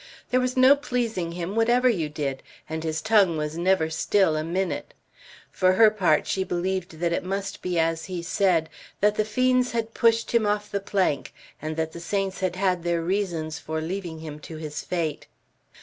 There was no pleasing him, whatever you did, and his tongue was never still a minute. For her part, she believed that it must be as he said, that the fiends had pushed him off the plank, and that the saints had had their reasons for leaving him to his fate.